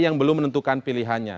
yang belum menentukan pilihan ini